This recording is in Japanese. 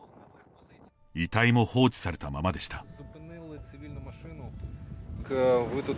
遺体も放置されたままでした。